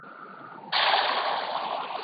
زه سبزېجات نه جمع کوم!!